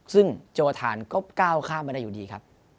ซึ่งโจทานก็ก้าวข้ามมาได้อยู่ดีครับ